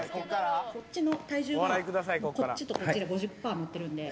こっちの体重がこっちとこっちで５０パー乗ってるんで。